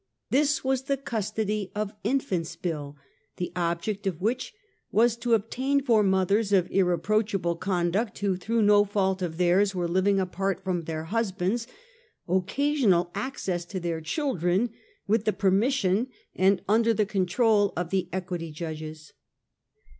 This was the Custody of Infants Bill, the object of which was to obtain for mothers of irreproachable conduct who through no fault of theirs were living apart from their husbands, occasional access to their children, with the pe rmis sion and under the control of the Equity Judges.